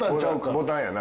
ボタンやな。